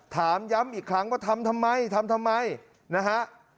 ถามย้ำอีกครั้งว่าทำทำไมทำทำไมนะฮะ